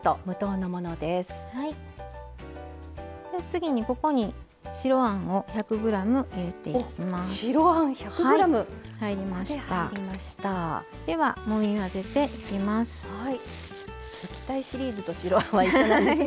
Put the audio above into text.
次に、ここに白あんを１００ｇ入れていきます。